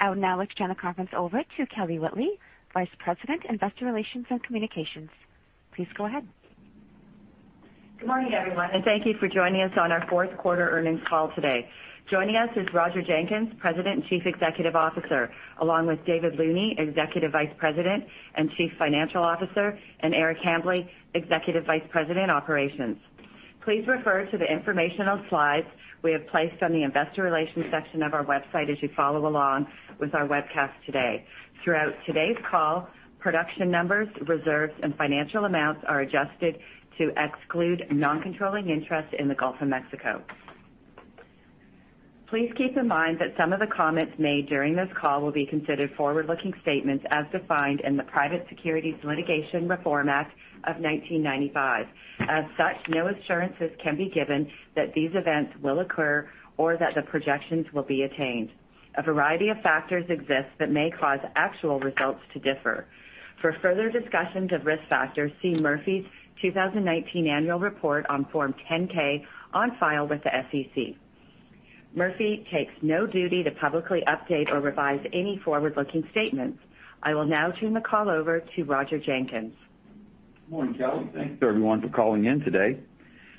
Let's turn the conference over to Kelly Whitley, Vice President, Investor Relations and Communications. Please go ahead. Good morning, everyone, and thank you for joining us on our fourth quarter earnings call today. Joining us is Roger Jenkins, President and Chief Executive Officer, along with David Looney, Executive Vice President and Chief Financial Officer, and Eric Hambly, Executive Vice President, Operations. Please refer to the informational slides we have placed on the investor relations section of our website as you follow along with our webcast today. Throughout today's call, production numbers, reserves, and financial amounts are adjusted to exclude non-controlling interest in the Gulf of Mexico. Please keep in mind that some of the comments made during this call will be considered forward-looking statements as defined in the Private Securities Litigation Reform Act of 1995. As such, no assurances can be given that these events will occur or that the projections will be attained. A variety of factors exist that may cause actual results to differ. For further discussions of risk factors, see Murphy's 2019 annual report on Form 10-K on file with the SEC. Murphy takes no duty to publicly update or revise any forward-looking statements. I will now turn the call over to Roger Jenkins. Good morning, Kelly. Thank you, everyone, for calling in today.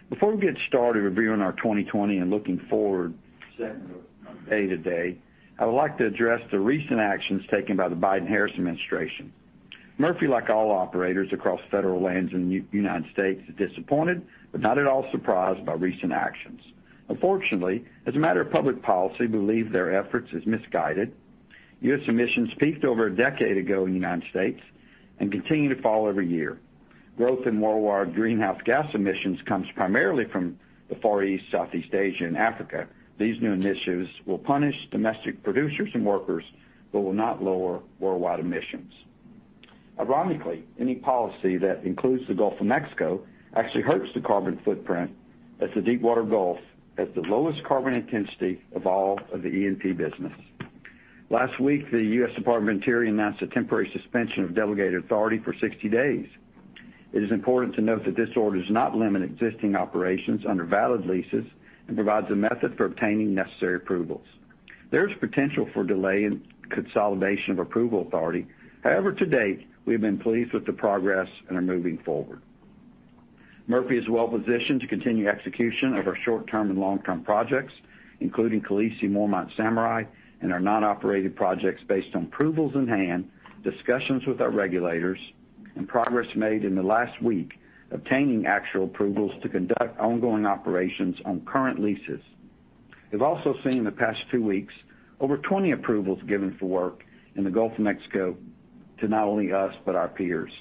Before we get started reviewing our 2020 and looking forward day to day, I would like to address the recent actions taken by the Biden-Harris administration. Murphy, like all operators across federal lands in the United States, is disappointed but not at all surprised by recent actions. Unfortunately, as a matter of public policy, we believe their efforts is misguided. U.S. emissions peaked over a decade ago in the United States and continue to fall every year. Growth in worldwide greenhouse gas emissions comes primarily from the Far East, Southeast Asia, and Africa. These new initiatives will punish domestic producers and workers but will not lower worldwide emissions. Ironically, any policy that includes the Gulf of Mexico actually hurts the carbon footprint as the Deepwater Gulf has the lowest carbon intensity of all of the E&P business. Last week, the U.S. Department of Interior announced a temporary suspension of delegated authority for 60 days. It is important to note that this order does not limit existing operations under valid leases and provides a method for obtaining necessary approvals. There is potential for delay in consolidation of approval authority. However, to date, we have been pleased with the progress and are moving forward. Murphy is well-positioned to continue execution of our short-term and long-term projects, including Khaleesi, Mormont, Samurai, and our non-operated projects based on approvals in hand, discussions with our regulators, and progress made in the last week obtaining actual approvals to conduct ongoing operations on current leases. We've also seen in the past 2 weeks over 20 approvals given for work in the Gulf of Mexico to not only us, but our peers.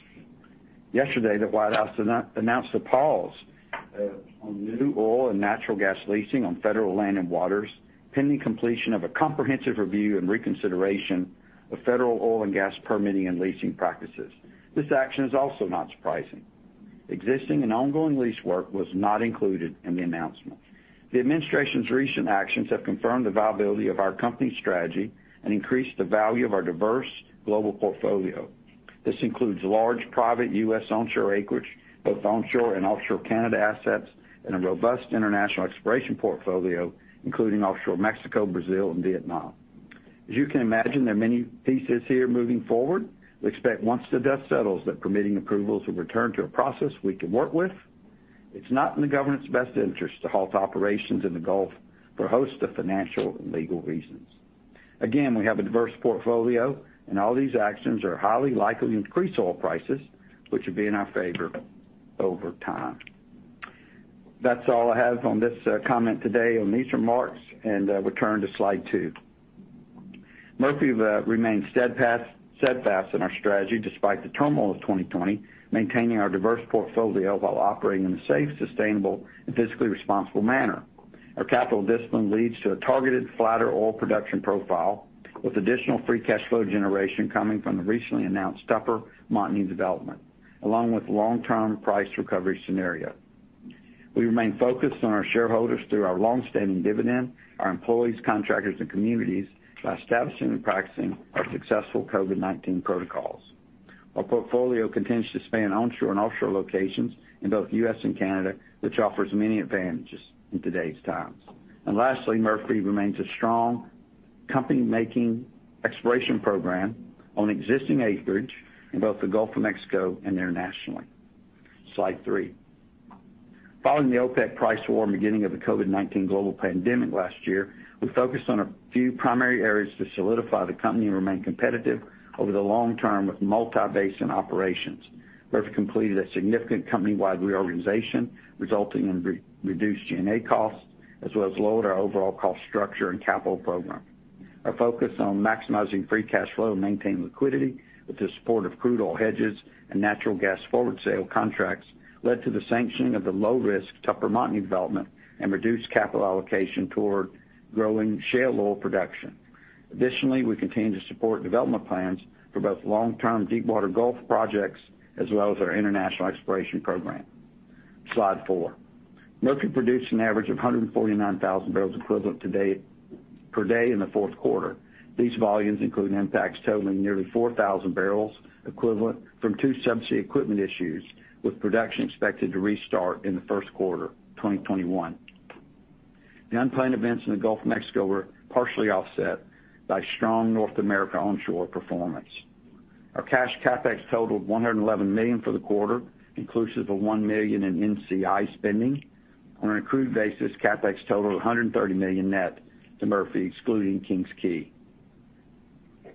Yesterday, the White House announced a pause on new oil and natural gas leasing on federal land and waters pending completion of a comprehensive review and reconsideration of federal oil and gas permitting and leasing practices. This action is also not surprising. Existing and ongoing lease work was not included in the announcement. The administration's recent actions have confirmed the viability of our company strategy and increased the value of our diverse global portfolio. This includes large private U.S. onshore acreage, both onshore and offshore Canada assets, and a robust international exploration portfolio, including offshore Mexico, Brazil, and Vietnam. As you can imagine, there are many pieces here moving forward. We expect once the dust settles, that permitting approvals will return to a process we can work with. It's not in the government's best interest to halt operations in the Gulf for host of financial and legal reasons. Again, we have a diverse portfolio, and all these actions are highly likely to increase oil prices, which will be in our favor over time. That's all I have on this comment today on these remarks, and return to slide two. Murphy remained steadfast in our strategy despite the turmoil of 2020, maintaining our diverse portfolio while operating in a safe, sustainable and physically responsible manner. Our capital discipline leads to a targeted flatter oil production profile with additional free cash flow generation coming from the recently announced Tupper-Montney development, along with long-term price recovery scenario. We remain focused on our shareholders through our longstanding dividend, our employees, contractors, and communities by establishing and practicing our successful COVID-19 protocols. Our portfolio continues to span onshore and offshore locations in both U.S. and Canada, which offers many advantages in today's times. Lastly, Murphy remains a strong company making exploration program on existing acreage in both the Gulf of Mexico and internationally. Slide three. Following the OPEC price war and beginning of the COVID-19 global pandemic last year, we focused on a few primary areas to solidify the company and remain competitive over the long term with multi-basin operations. Murphy completed a significant company-wide reorganization, resulting in reduced G&A costs, as well as lowered our overall cost structure and capital program. Our focus on maximizing free cash flow and maintaining liquidity with the support of crude oil hedges and natural gas forward sale contracts led to the sanctioning of the low-risk Tupper-Montney development and reduced capital allocation toward growing shale oil production. Additionally, we continue to support development plans for both long-term Deepwater Gulf projects, as well as our international exploration program. Slide four. Murphy produced an average of 149,000 barrels equivalent per day in the fourth quarter. These volumes include impacts totaling nearly 4,000 barrels equivalent from two subsea equipment issues, with production expected to restart in the first quarter 2021. The unplanned events in the Gulf of Mexico were partially offset by strong North America onshore performance. Our cash CapEx totaled $111 million for the quarter, inclusive of $1 million in NCI spending. On an accrued basis, CapEx totaled $130 million net to Murphy, excluding King's Quay.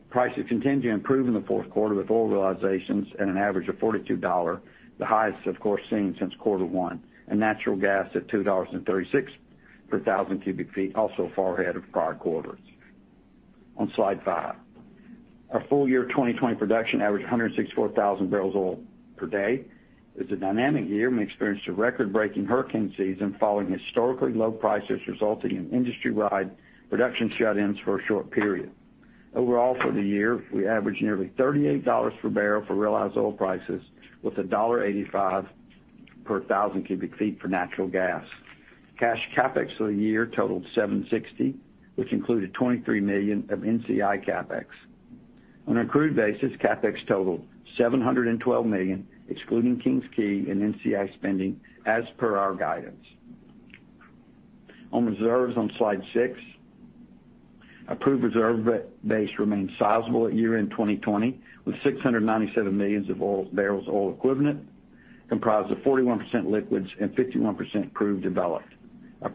Prices continued to improve in the fourth quarter with oil realizations at an average of $42, the highest of course seen since quarter one, and natural gas at $2.36 per thousand cubic feet, also far ahead of prior quarters. On slide five. Our full year 2020 production averaged 164,000 barrels of oil per day. It's a dynamic year. We experienced a record-breaking hurricane season following historically low prices, resulting in industry-wide production shutdowns for a short period. Overall, for the year, we averaged nearly $38 per barrel for realized oil prices, with $1.85 per thousand cubic feet for natural gas. Cash CapEx for the year totaled $760, which included $23 million of NCI CapEx. On an accrued basis, CapEx totaled $712 million, excluding King's Quay and NCI spending as per our guidance. On reserves on slide six, proved reserve base remained sizable at year-end 2020, with 697 million barrels oil equivalent, comprised of 41% liquids and 51% proved developed.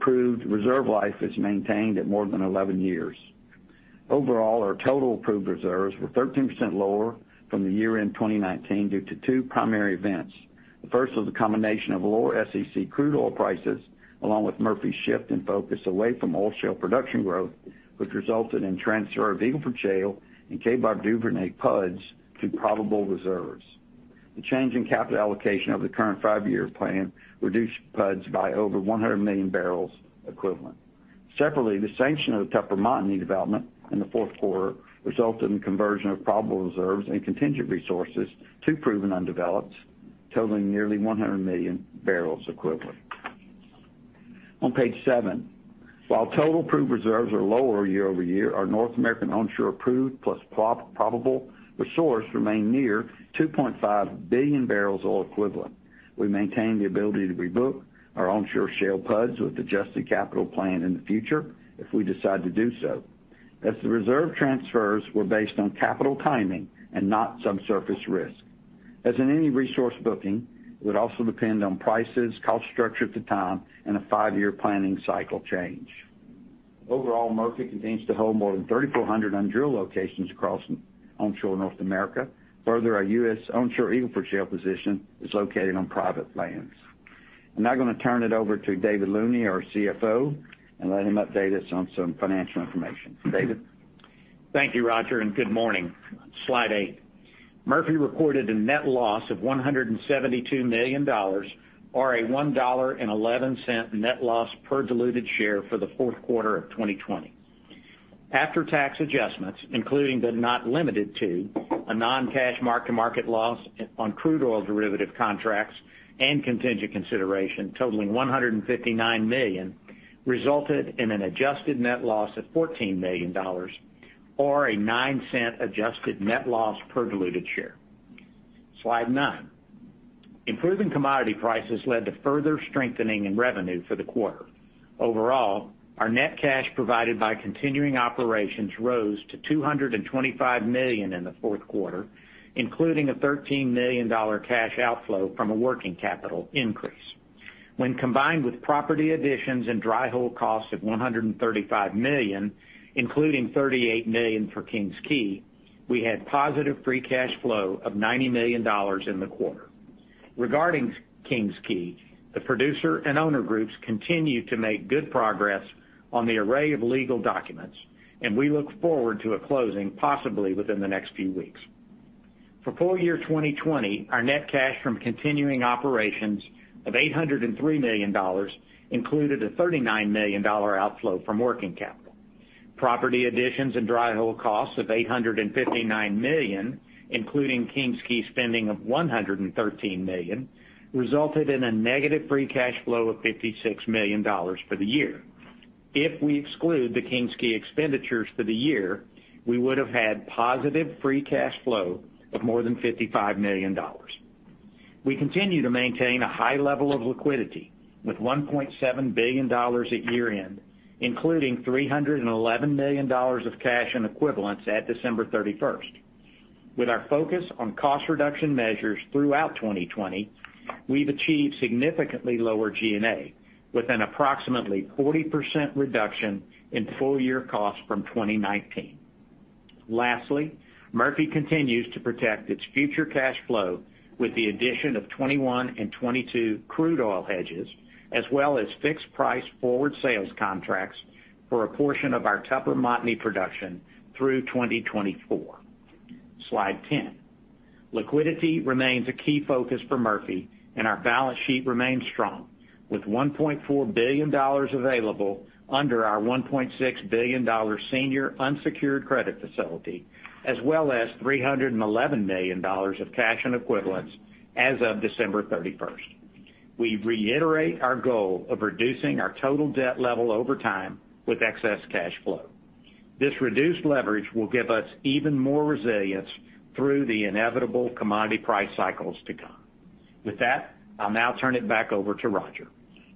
Proved reserve life is maintained at more than 11 years. Overall, our total proved reserves were 13% lower from the year-end 2019 due to two primary events. The first was the combination of lower SEC crude oil prices, along with Murphy's shift in focus away from oil shale production growth, which resulted in transfer of Eagle Ford Shale and Kaybob Duvernay PUDs to probable reserves. The change in capital allocation of the current 5-year plan reduced PUDs by over 100 million barrels equivalent. Separately, the sanction of the Tupper Montney development in the fourth quarter resulted in conversion of probable reserves and contingent resources to proven undeveloped, totaling nearly 100 million barrels equivalent. On page seven, while total proved reserves are lower year-over-year, our North American onshore proved plus probable resource remained near 2.5 billion barrels oil equivalent. We maintain the ability to rebook our onshore shale PUDs with adjusted capital plan in the future if we decide to do so, as the reserve transfers were based on capital timing and not subsurface risk. As in any resource booking, it would also depend on prices, cost structure at the time, and a five-year planning cycle change. Overall, Murphy continues to hold more than 3,400 undrilled locations across onshore North America. Further, our U.S. onshore Eagle Ford Shale position is located on private lands. I'm now going to turn it over to David Looney, our CFO, and let him update us on some financial information. David? Thank you, Roger, and good morning. Slide eight. Murphy reported a net loss of $172 million, or a $1.11 net loss per diluted share for the fourth quarter of 2020. After-tax adjustments, including, but not limited to, a non-cash mark-to-market loss on crude oil derivative contracts and contingent consideration totaling $159 million, resulted in an adjusted net loss of $14 million, or a $0.09 adjusted net loss per diluted share. Slide nine. Improving commodity prices led to further strengthening in revenue for the quarter. Overall, our net cash provided by continuing operations rose to $225 million in the fourth quarter, including a $13 million cash outflow from a working capital increase. When combined with property additions and dry hole costs of $135 million, including $38 million for King's Quay, we had positive free cash flow of $90 million in the quarter. Regarding King's Quay, the producer and owner groups continue to make good progress on the array of legal documents, and we look forward to a closing possibly within the next few weeks. For full year 2020, our net cash from continuing operations of $803 million included a $39 million outflow from working capital. Property additions and dry hole costs of $859 million, including King's Quay spending of $113 million, resulted in a negative free cash flow of $56 million for the year. If we exclude the King's Quay expenditures for the year, we would have had positive free cash flow of more than $55 million. We continue to maintain a high level of liquidity with $1.7 billion at year-end, including $311 million of cash and equivalents at December 31st. With our focus on cost reduction measures throughout 2020, we've achieved significantly lower G&A with an approximately 40% reduction in full-year costs from 2019. Lastly, Murphy continues to protect its future cash flow with the addition of 2021 and 2022 crude oil hedges, as well as fixed price forward sales contracts for a portion of our Tupper Montney production through 2024. Slide 10. Liquidity remains a key focus for Murphy, and our balance sheet remains strong with $1.4 billion available under our $1.6 billion senior unsecured credit facility, as well as $311 million of cash and equivalents as of December 31st. We reiterate our goal of reducing our total debt level over time with excess cash flow. This reduced leverage will give us even more resilience through the inevitable commodity price cycles to come. With that, I'll now turn it back over to Roger.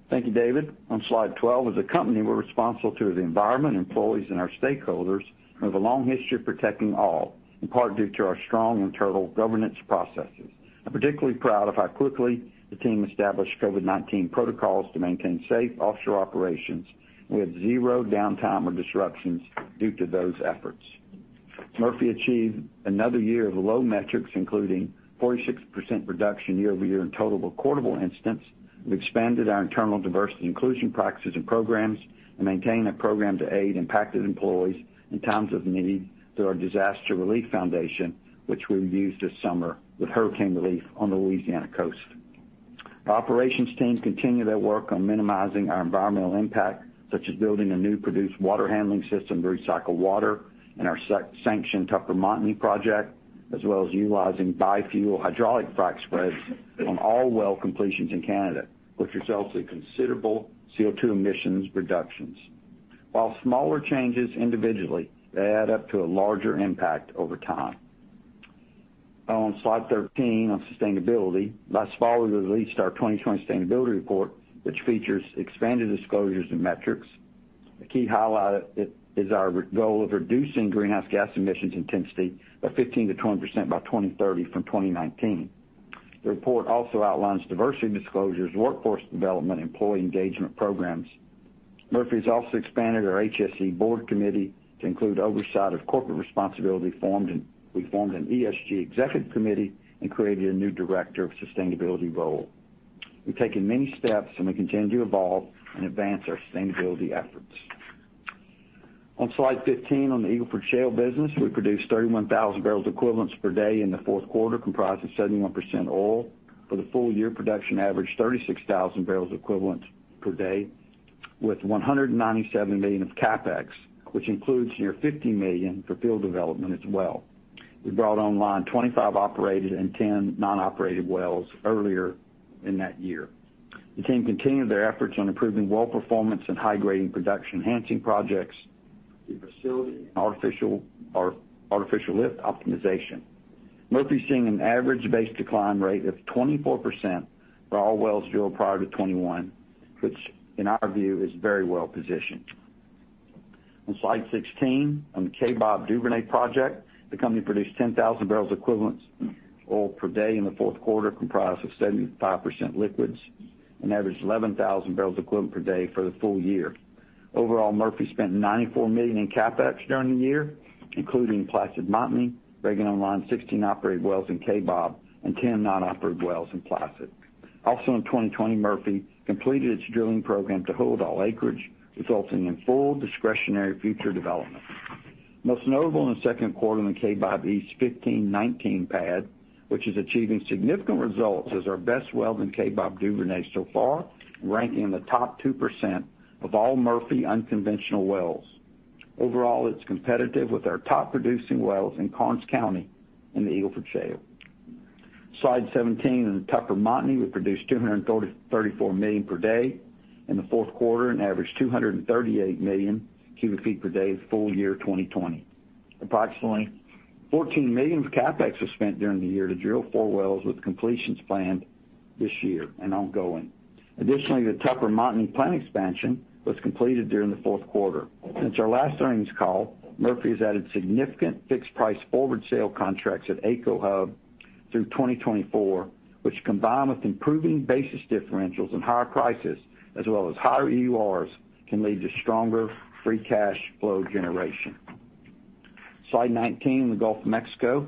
Thank you, David. On slide 12, as a company, we're responsible to the environment, employees, and our stakeholders, and have a long history of protecting all, in part due to our strong internal governance processes. I'm particularly proud of how quickly the team established COVID-19 protocols to maintain safe offshore operations. We had zero downtime or disruptions due to those efforts. Murphy achieved another year of low metrics, including 46% reduction year-over-year in total recordable incidents. We expanded our internal diversity inclusion practices and programs and maintained a program to aid impacted employees in times of need through our disaster relief foundation, which we used this summer with hurricane relief on the Louisiana coast. Our operations teams continue their work on minimizing our environmental impact, such as building a new produced water handling system to recycle water in our sanctioned Tupper Montney project, as well as utilizing bi-fuel hydraulic frac spreads on all well completions in Canada, which results in considerable CO2 emissions reductions. While smaller changes individually, they add up to a larger impact over time. On slide 13, on sustainability, last fall, we released our 2020 sustainability report, which features expanded disclosures and metrics. A key highlight of it is our goal of reducing greenhouse gas emissions intensity by 15%-20% by 2030 from 2019. The report also outlines diversity disclosures, workforce development, employee engagement programs. Murphy's also expanded our HSE board committee to include oversight of corporate responsibility, we formed an ESG executive committee and created a new director of sustainability role. We've taken many steps, and we continue to evolve and advance our sustainability efforts. On slide 15 on the Eagle Ford Shale business, we produced 31,000 barrels equivalents per day in the fourth quarter, comprised of 71% oil. For the full year, production averaged 36,000 barrels equivalents per day with $197 million of CapEx, which includes near $50 million for field development as well. We brought online 25 operated and 10 non-operated wells earlier in that year. The team continued their efforts on improving well performance and high-grading production enhancing projects through facility and artificial lift optimization. Murphy's seeing an average base decline rate of 24% for all wells drilled prior to 2021, which in our view is very well positioned. On slide 16, on the Kaybob/Duvernay project, the company produced 10,000 barrels equivalent oil per day in the fourth quarter, comprised of 75% liquids, and averaged 11,000 barrels equivalent per day for the full year. Overall, Murphy spent $94 million in CapEx during the year, including Placid Montney, bringing online 16 operated wells in Kaybob and 10 non-operated wells in Placid. Also in 2020, Murphy completed its drilling program to hold all acreage, resulting in full discretionary future development. Most notable in the second quarter in the Kaybob East 15-19 pad, which is achieving significant results as our best well in Kaybob/Duvernay so far, ranking in the top 2% of all Murphy unconventional wells. Overall, it's competitive with our top-producing wells in Karnes County in the Eagle Ford Shale. Slide 17, in the Tupper Montney, we produced 234 million per day in the fourth quarter and averaged 238 million cubic feet per day full year 2020. Approximately $14 million of CapEx was spent during the year to drill four wells with completions planned this year and ongoing. The Tupper Montney plant expansion was completed during the fourth quarter. Since our last earnings call, Murphy has added significant fixed-price forward sale contracts at AECO Hub through 2024, which combined with improving basis differentials and higher prices, as well as higher EURs, can lead to stronger free cash flow generation. Slide 19, the Gulf of Mexico.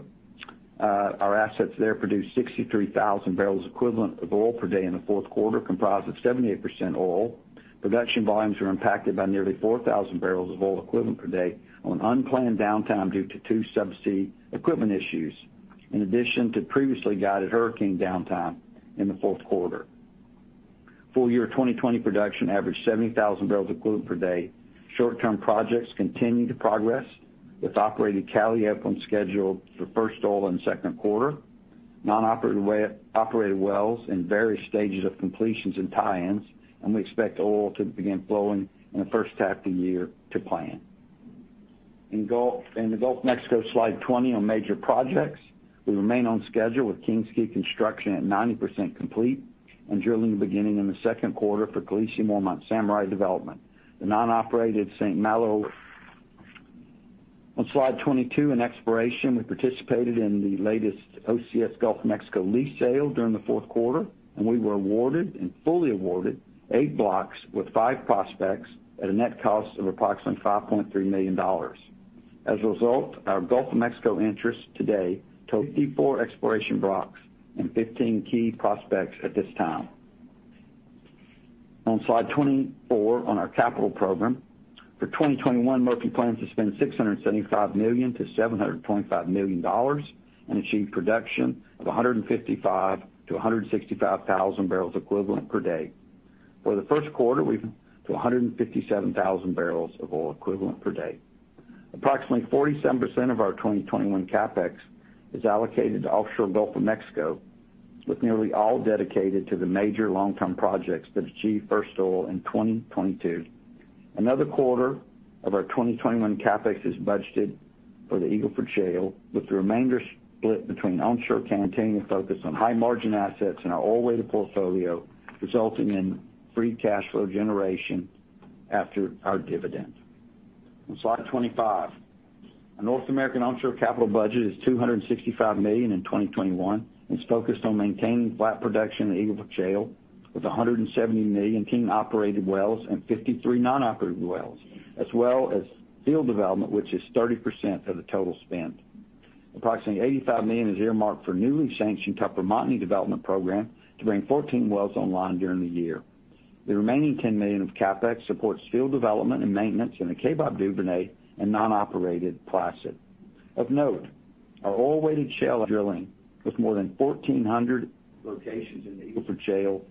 Our assets there produced 63,000 barrels equivalent of oil per day in the fourth quarter, comprised of 78% oil. Production volumes were impacted by nearly 4,000 barrels of oil equivalent per day on unplanned downtime due to two subsea equipment issues, in addition to previously guided hurricane downtime in the fourth quarter. Full year 2020 production averaged 70,000 barrels equivalent per day. Short-term projects continue to progress with operated Calliope on schedule for first oil in the second quarter. Non-operated wells in various stages of completions and tie-ins, and we expect oil to begin flowing in the first half of the year to plan. In the Gulf of Mexico, slide 20, on major projects, we remain on schedule with King’s Quay construction at 90% complete and drilling beginning in the second quarter for Khaleesi/Mormont Samurai development. The non-operated St. Malo. On slide 22, in exploration, we participated in the latest OCS Gulf of Mexico lease sale during the fourth quarter, and we were fully awarded eight blocks with five prospects at a net cost of approximately $5.3 million. As a result, our Gulf of Mexico interests today total 54 exploration blocks and 15 key prospects at this time. On slide 24, on our capital program. For 2021, Murphy plans to spend $675 million to $725 million and achieve production of 155,000 to 165,000 barrels equivalent per day. For the first quarter, we expect 157,000 barrels of oil equivalent per day. Approximately 47% of our 2021 CapEx is allocated to offshore Gulf of Mexico, with nearly all dedicated to the major long-term projects that achieve first oil in 2022. Another quarter of our 2021 CapEx is budgeted for the Eagle Ford Shale, with the remainder split between onshore continuing focus on high-margin assets in our oil-weighted portfolio, resulting in free cash flow generation after our dividend. On slide 25. Our North American onshore capital budget is $265 million in 2021. It's focused on maintaining flat production in the Eagle Ford Shale with 170 million king-operated wells and 53 non-operated wells, as well as field development, which is 30% of the total spend. Approximately $85 million is earmarked for newly sanctioned Tupper Montney development program to bring 14 wells online during the year. The remaining $10 million of CapEx supports field development and maintenance in the Kaybob Duvernay and non-operated Placid. Of note, our oil-weighted shale drilling, with more than 1,400 locations in the Eagle Ford Shale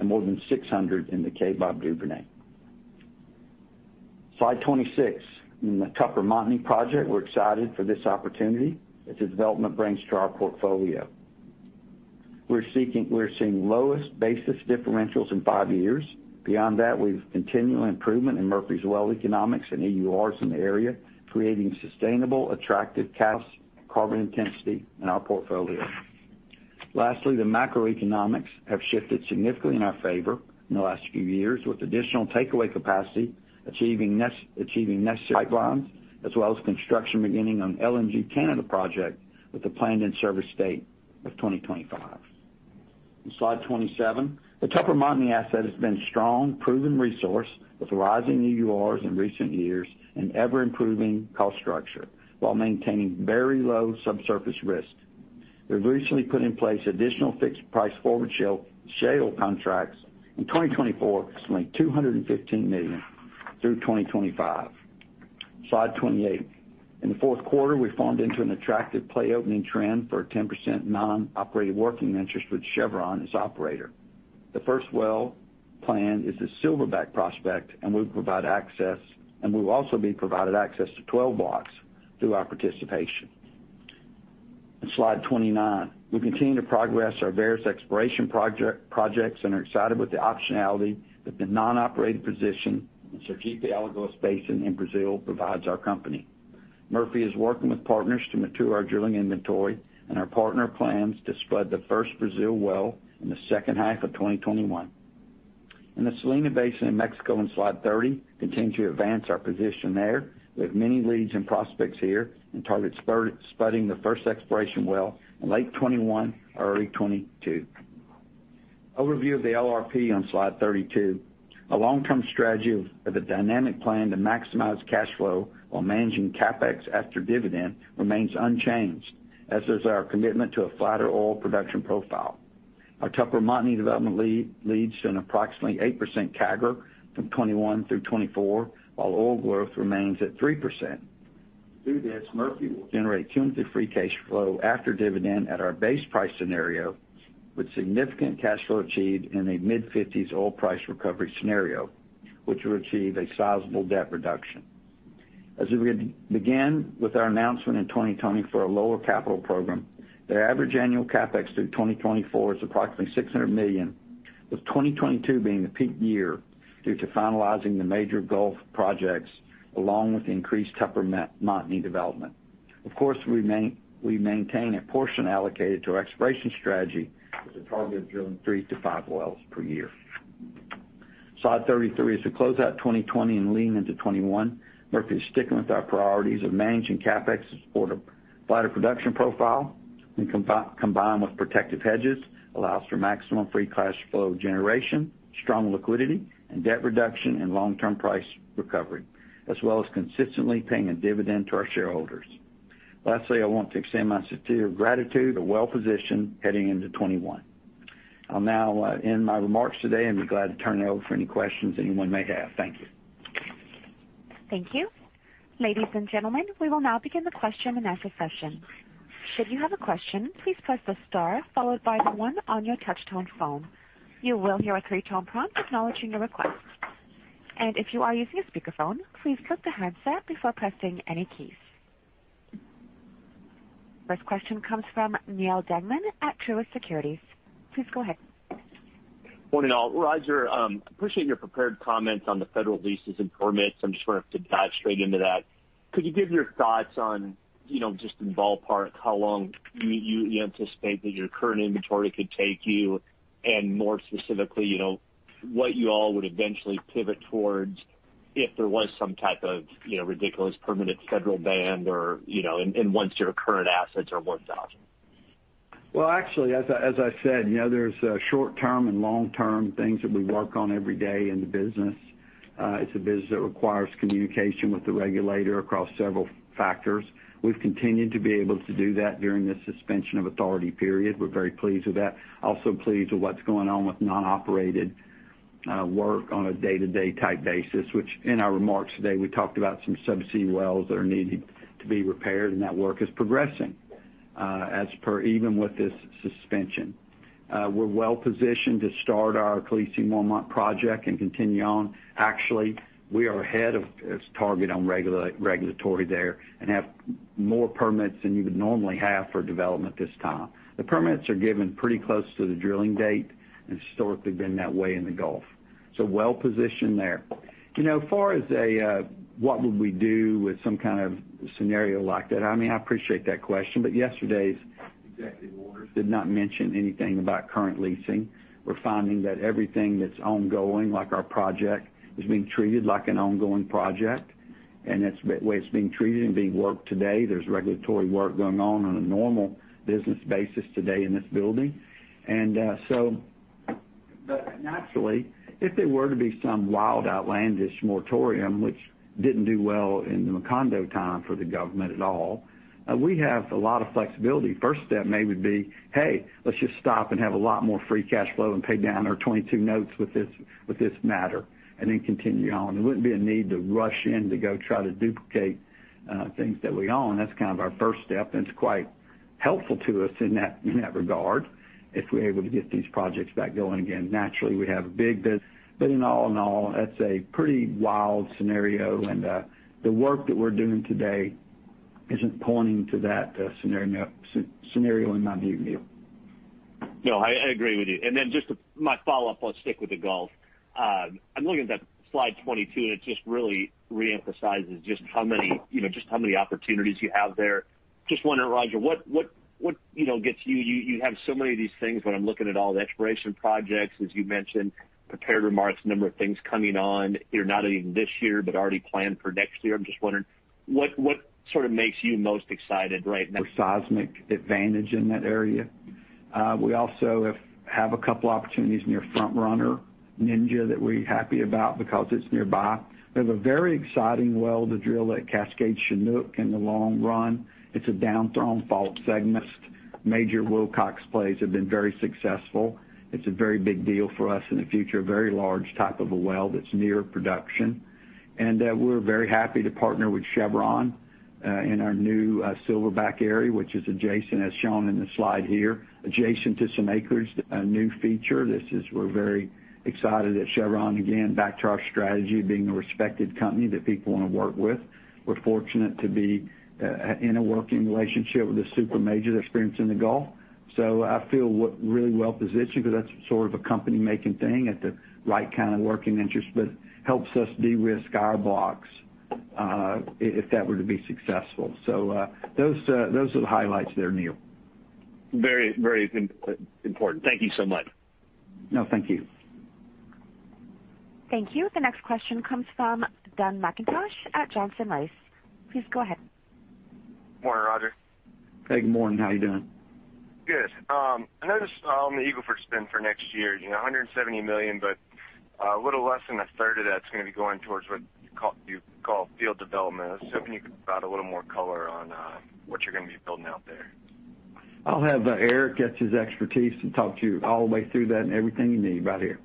and more than 600 in the Kaybob Duvernay. Slide 26. In the Tupper Montney project, we're excited for this opportunity that the development brings to our portfolio. We're seeing lowest basis differentials in five years. Beyond that, we've continual improvement in Murphy's well economics and EURs in the area, creating sustainable, attractive cash carbon intensity in our portfolio. Lastly, the macroeconomics have shifted significantly in our favor in the last few years, with additional takeaway capacity, achieving necessary pipelines, as well as construction beginning on LNG Canada project with a planned in-service date of 2025. On slide 27. The Tupper Montney asset has been a strong, proven resource with rising EURs in recent years and ever-improving cost structure while maintaining very low subsurface risk. We've recently put in place additional fixed price forward shale contracts in 2024, approximately $215 million through 2025. Slide 28. In the fourth quarter, we farmed into an attractive play-opening trend for a 10% non-operated working interest with Chevron as operator. The first well plan is the Silverback prospect, and we will also be provided access to 12 blocks through our participation. On slide 29. We continue to progress our various exploration projects and are excited with the optionality that the non-operated position in Sergipe-Alagoas Basin in Brazil provides our company. Murphy is working with partners to mature our drilling inventory, and our partner plans to spud the first Brazil well in the second half of 2021. In the Salina Basin in Mexico on slide 30, we continue to advance our position there. We have many leads and prospects here and target spudding the first exploration well in late 2021, early 2022. Overview of the LRP on slide 32. A long-term strategy of a dynamic plan to maximize cash flow while managing CapEx after dividend remains unchanged, as is our commitment to a flatter oil production profile. Our Tupper-Montney development leads to an approximately 8% CAGR from 2021 through 2024, while oil growth remains at 3%. Through this, Murphy will generate cumulative free cash flow after dividend at our base price scenario, with significant cash flow achieved in a mid-50s oil price recovery scenario, which will achieve a sizable debt reduction. As we begin with our announcement in 2020 for a lower capital program, their average annual CapEx through 2024 is approximately $600 million, with 2022 being the peak year due to finalizing the major Gulf projects, along with increased Tupper-Montney development. Of course, we maintain a portion allocated to our exploration strategy with a target of drilling three to five wells per year. Slide 33. As we close out 2020 and lean into 2021, Murphy is sticking with our priorities of managing CapEx to support a flatter production profile, when combined with protective hedges, allows for maximum free cash flow generation, strong liquidity and debt reduction and long-term price recovery, as well as consistently paying a dividend to our shareholders. Lastly, I want to extend my sincere gratitude. We're well-positioned heading into 2021. I'll now end my remarks today and be glad to turn it over for any questions anyone may have. Thank you. Thank you. Ladies and gentlemen, we will now begin the question and answer session. Should you have a question, please press the star followed by the one on your touch-tone phone. You will hear a three-tone prompt acknowledging the request. If you are using a speakerphone, please click the handset before pressing any keys. First question comes from Neal Dingmann at Truist Securities. Please go ahead. Morning, all. Roger, appreciate your prepared comments on the federal leases and permits. I'm just going to have to dive straight into that. Could you give your thoughts on, just in ballpark, how long you anticipate that your current inventory could take you? More specifically, what you all would eventually pivot towards if there was some type of ridiculous permanent federal ban and once your current assets are worked off. Well, actually, as I said, there's short-term and long-term things that we work on every day in the business. It's a business that requires communication with the regulator across several factors. We've continued to be able to do that during the suspension of authority period. We're very pleased with that. Pleased with what's going on with non-operated work on a day-to-day type basis, which in our remarks today, we talked about some subsea wells that are needing to be repaired, and that work is progressing as per even with this suspension. We're well-positioned to start our Khaleesi Mormont project and continue on. Actually, we are ahead of its target on regulatory there and have more permits than you would normally have for development this time. The permits are given pretty close to the drilling date and historically been that way in the Gulf. Well-positioned there. As far as what would we do with some kind of scenario like that, I appreciate that question. Yesterday's executive orders did not mention anything about current leasing. We're finding that everything that's ongoing, like our project, is being treated like an ongoing project, and that's the way it's being treated and being worked today. There's regulatory work going on on a normal business basis today in this building. Naturally, if there were to be some wild, outlandish moratorium, which didn't do well in the Macondo time for the government at all, we have a lot of flexibility. First step maybe would be, hey, let's just stop and have a lot more free cash flow and pay down our 22 notes with this matter, and then continue on. There wouldn't be a need to rush in to go try to duplicate things that we own. That's kind of our first step, and it's quite helpful to us in that regard, if we're able to get these projects back going again. Naturally, we have a big business. In all in all, that's a pretty wild scenario, and the work that we're doing today isn't pointing to that scenario in my view, Neal. No, I agree with you. Just my follow-up, I'll stick with the Gulf. I'm looking at that slide 22, it just really re-emphasizes just how many opportunities you have there. Just wondering, Roger, you have so many of these things, I'm looking at all the exploration projects, as you mentioned, prepared remarks, number of things coming on, not even this year, already planned for next year. I'm just wondering what makes you most excited right now? Seismic advantage in that area. We also have a couple opportunities near FrontRunner, Ninja, that we're happy about because it's nearby. We have a very exciting well to drill at Cascade Chinook in the long run. It's a downthrown fault segment. Major Wilcox plays have been very successful. It's a very big deal for us in the future, a very large type of a well that's near production. We're very happy to partner with Chevron in our new Silverback area, which is adjacent, as shown in the slide here, adjacent to some acres. A new feature. We're very excited that Chevron, again, back to our strategy of being a respected company that people want to work with. We're fortunate to be in a working relationship with a super major that's experienced in the Gulf. I feel we're really well-positioned because that's sort of a company-making thing at the right kind of working interest, but helps us de-risk our blocks if that were to be successful. Those are the highlights there, Neal. Very important. Thank you so much. No, thank you. Thank you. The next question comes from Dun McIntosh at Johnson Rice. Please go ahead. Morning, Roger. Hey, good morning. How you doing? Good. I noticed on the Eagle Ford spend for next year, $170 million, a little less than a third of that's going to be going towards what you call field development. I was hoping you could provide a little more color on what you're going to be building out there. I'll have Eric get his expertise to talk to you all the way through that and everything you need right here.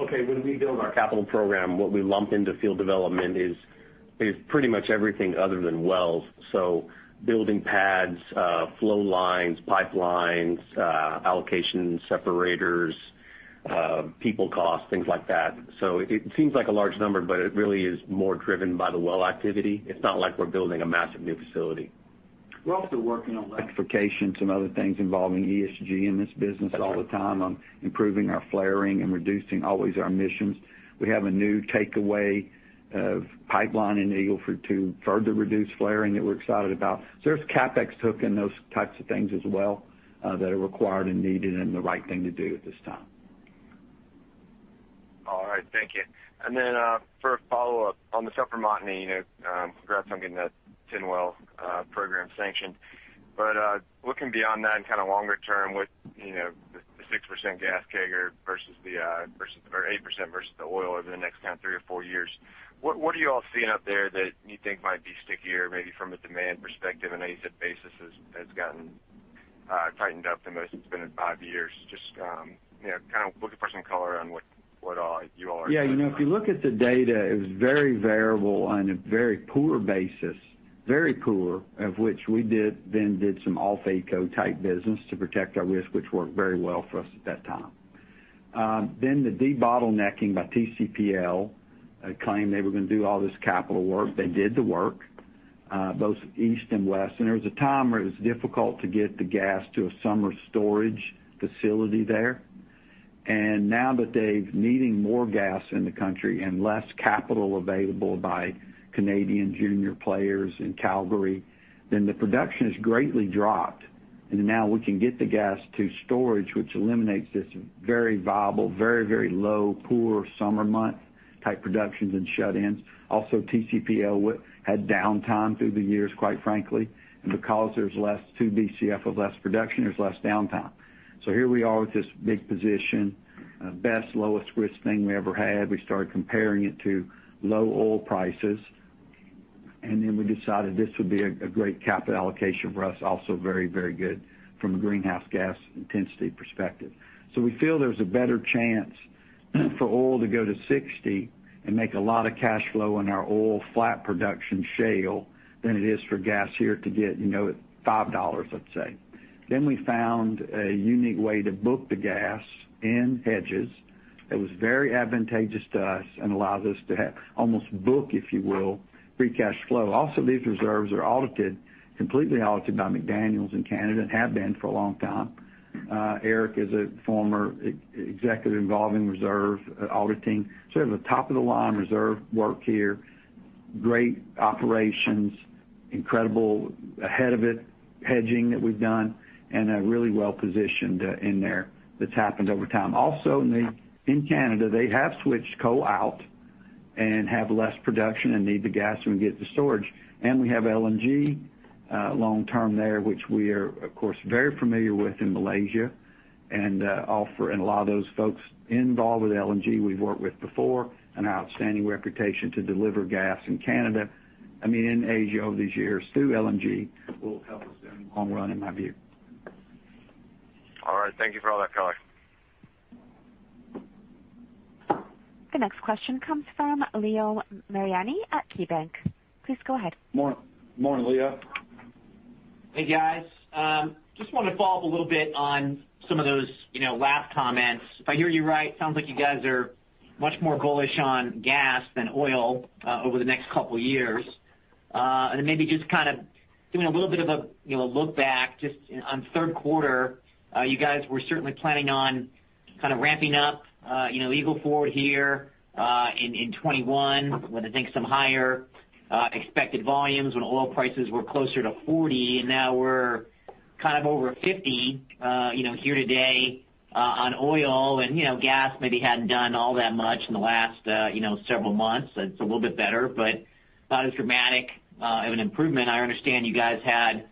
Okay. When we build our capital program, what we lump into field development is pretty much everything other than wells. Building pads, flow lines, pipelines, allocation separators, people costs, things like that. It seems like a large number, but it really is more driven by the well activity. It's not like we're building a massive new facility. We're also working on electrification, some other things involving ESG in this business all the time on improving our flaring and reducing always our emissions. We have a new takeaway of pipeline in Eagle Ford to further reduce flaring that we're excited about. There's CapEx hook in those types of things as well that are required and needed and the right thing to do at this time. All right. Thank you. For a follow-up, on the Tupper Montney, congrats on getting that 10-well program sanctioned. Looking beyond that and kind of longer term with the 6% gas CAGR or 8% versus the oil over the next kind of three or four years, what are you all seeing up there that you think might be stickier, maybe from a demand perspective, an ASIP basis has gotten tightened up the most it's been in five years. Just kind of looking for some color on what all you all are. If you look at the data, it was very variable on a very poor basis, very poor, of which we then did some off-AECO type business to protect our risk, which worked very well for us at that time. The de-bottlenecking by TCPL claimed they were going to do all this capital work. They did the work both east and west, and there was a time where it was difficult to get the gas to a summer storage facility there. Now that they're needing more gas in the country and less capital available by Canadian junior players in Calgary, then the production has greatly dropped. Now we can get the gas to storage, which eliminates this very variable, very low, poor summer month type productions and shut-ins. Also, TCPL had downtime through the years, quite frankly. Because there's less 2 Bcf of less production, there's less downtime. Here we are with this big position, best lowest risk thing we ever had. We started comparing it to low oil prices. We decided this would be a great capital allocation for us. Very good from a greenhouse gas intensity perspective. We feel there's a better chance for oil to go to 60 and make a lot of cash flow on our oil flat production shale than it is for gas here to get $5, let's say. We found a unique way to book the gas in hedges that was very advantageous to us and allows us to almost book, if you will, free cash flow. These reserves are audited, completely audited by McDaniel in Canada, and have been for a long time. Eric is a former executive involving reserve auditing, so we have a top-of-the-line reserve work here. Great operations, incredible ahead of it hedging that we've done, and are really well-positioned in there. That's happened over time. Also, in Canada, they have switched coal out and have less production and need the gas, so we can get the storage. We have LNG long term there, which we are, of course, very familiar with in Malaysia. A lot of those folks involved with LNG we've worked with before, and our outstanding reputation to deliver gas in Canada, I mean, in Asia over these years through LNG will help us in the long run, in my view. All right. Thank you for all that, color. The next question comes from Leo Mariani at KeyBanc. Please go ahead. Morning, Leo. Hey, guys. Just wanted to follow up a little bit on some of those last comments. If I hear you right, sounds like you guys are much more bullish on gas than oil over the next couple of years. Maybe just kind of doing a little bit of a look back just on third quarter. You guys were certainly planning on kind of ramping up Eagle Ford here in 2021 with, I think, some higher expected volumes when oil prices were closer to $40, and now we're kind of over $50 here today on oil. Gas maybe hadn't done all that much in the last several months. It's a little bit better, but not as dramatic of an improvement. I understand you guys had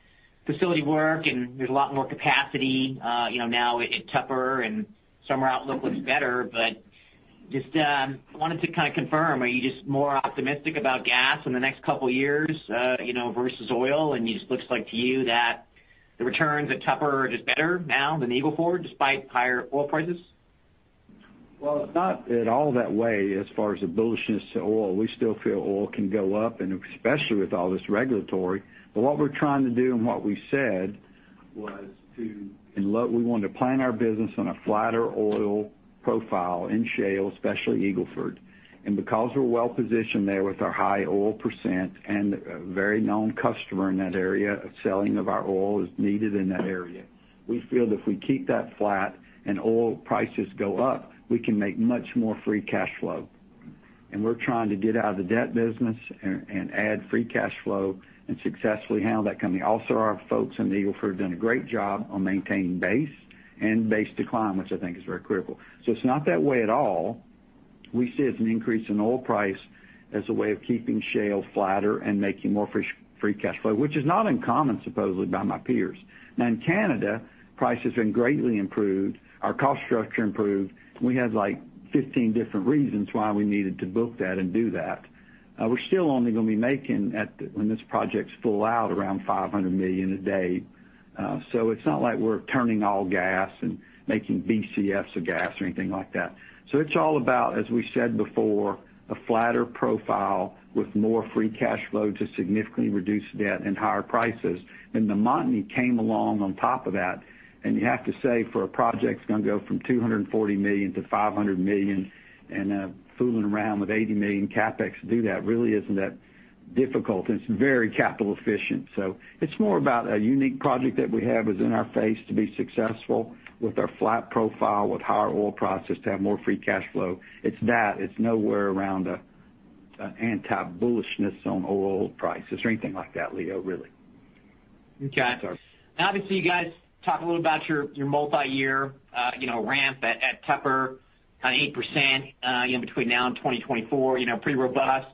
facility work, and there's a lot more capacity now at Tupper, and summer outlook looks better, but just wanted to kind of confirm, are you just more optimistic about gas in the next couple of years versus oil? It just looks like to you that the returns at Tupper are just better now than Eagle Ford, despite higher oil prices? It's not at all that way as far as the bullishness to oil. We still feel oil can go up, and especially with all this regulatory. What we're trying to do and what we said was we want to plan our business on a flatter oil profile in shale, especially Eagle Ford. Because we're well-positioned there with our high oil percent and a very known customer in that area of selling of our oil as needed in that area, we feel that if we keep that flat and oil prices go up, we can make much more free cash flow. We're trying to get out of the debt business and add free cash flow and successfully handle that company. Our folks in Eagle Ford have done a great job on maintaining base and base decline, which I think is very critical. It's not that way at all. We see it as an increase in oil price as a way of keeping shale flatter and making more free cash flow, which is not uncommon, supposedly, by my peers. In Canada, price has been greatly improved, our cost structure improved. We had 15 different reasons why we needed to book that and do that. We're still only going to be making, when this project's full out, around $500 million a day. It's not like we're turning all gas and making Bcfs of gas or anything like that. It's all about, as we said before, a flatter profile with more free cash flow to significantly reduce debt and higher prices. Montney came along on top of that, and you have to say, for a project that's going to go from $240 million to $500 million and fooling around with $80 million CapEx to do that really isn't that difficult, and it's very capital efficient. It's more about a unique project that we have is in our face to be successful with our flat profile, with higher oil prices, to have more free cash flow. It's that. It's nowhere around an anti-bullishness on oil prices or anything like that, Leo, really. Okay. Sorry. Obviously, you guys talk a little about your multi-year ramp at Tupper, 8% between now and 2024, pretty robust.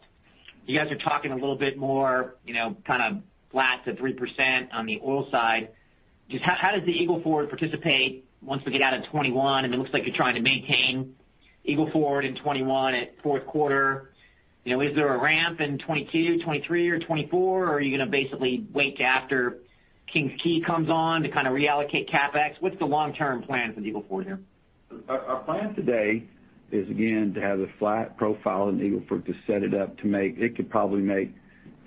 You guys are talking a little bit more kind of flat to 3% on the oil side. How does the Eagle Ford participate once we get out of 2021, and it looks like you're trying to maintain Eagle Ford in 2021 at fourth quarter. Is there a ramp in 2022, 2023, or 2024, or are you going to basically wait till after King's Quay comes on to kind of reallocate CapEx? What's the long-term plan for the Eagle Ford here? Our plan today is, again, to have a flat profile in Eagle Ford to set it up to make. It could probably make